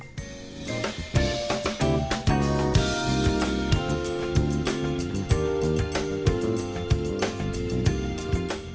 bagaimana menurut faisal